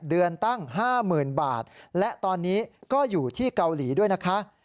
เดือนตั้ง๕๐๐๐บาทและตอนนี้ก็อยู่ที่เกาหลีด้วยนะคะ